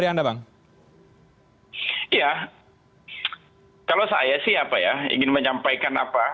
ya kalau saya sih apa ya ingin menyampaikan apa